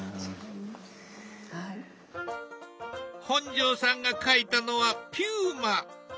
本上さんが描いたのはピューマ。